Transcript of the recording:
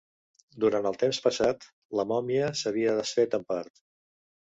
Durant el temps passat, la mòmia s'havia desfet en part.